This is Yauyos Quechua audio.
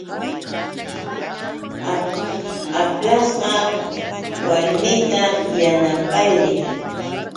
Aplashqa warmita yanapaq riy.